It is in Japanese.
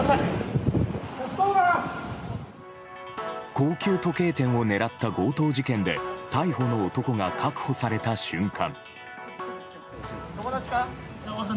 高級時計店を狙った強盗事件で逮捕の男が確保された瞬間。